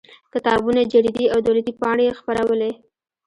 کتابونه جریدې او دولتي پاڼې یې خپرولې.